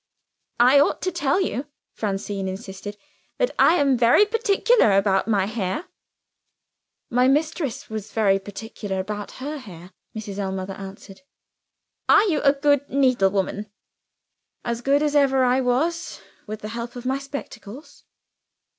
"I ought to tell you," Francine insisted, "that I am very particular about my hair." "My mistress was very particular about her hair," Mrs. Ellmother answered. "Are you a good needlewoman?" "As good as ever I was with the help of my spectacles."